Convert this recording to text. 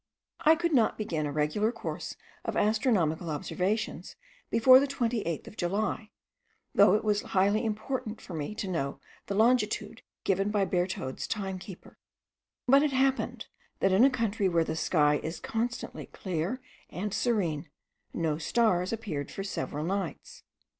I could not begin a regular course of astronomical observations before the 28th of July, though it was highly important for me to know the longitude given by Berthoud's time keeper; but it happened, that in a country where the sky is constantly clear and serene, no stars appeared for several nights.